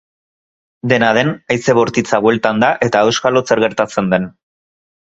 Dena den, haize bortzitza bueltan da eta auskalo zer gertatzen den.